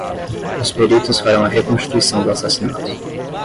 Os peritos farão a reconstituição do assassinato.